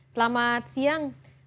selamat siang teddy